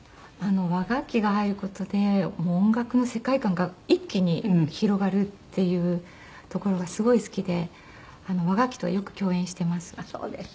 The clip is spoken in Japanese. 和楽器が入る事で音楽の世界観が一気に広がるっていうところがすごい好きで和楽器とはよく協演してます。